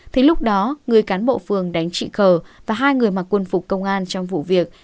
thì lúc đó người cán bộ phường đánh chị khờ và hai người mặc quân phục công an trong vụ việc